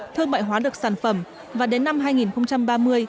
thương mại hóa được sản phẩm và đến năm hai nghìn ba mươi